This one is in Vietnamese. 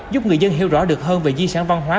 giúp người dân hiểu rõ được hơn về di sản văn hóa